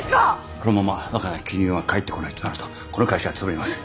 このまま若菜絹代が帰ってこないとなるとこの会社はつぶれます。